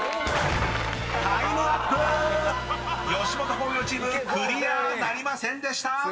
［吉本興業チームクリアなりませんでした］